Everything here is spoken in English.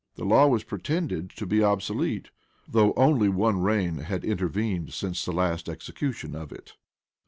The law was pretended to be obsolete; though only one reign had intervened since the last execution of it.